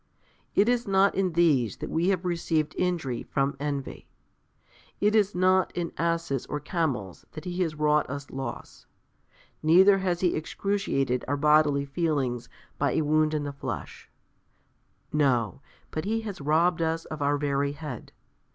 It is not in these that we have received injury from Envy; it is not in asses or camels that he has wrought us loss, neither has he excruciated our bodily feelings by a wound in the flesh; no, but he has robbed us of our very head.